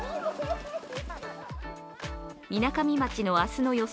みなかみ町の明日の予想